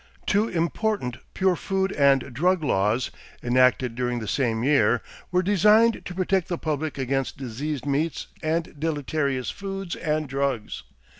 Two important pure food and drug laws, enacted during the same year, were designed to protect the public against diseased meats and deleterious foods and drugs.